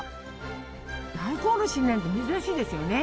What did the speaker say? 大根おろし入れるなんて珍しいですよね。